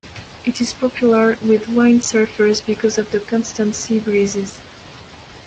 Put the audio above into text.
It is popular with windsurfers because of the constant seabreezes.